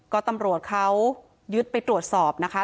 ก็ตำรวจเขายึดไปตรวจสอบนะคะ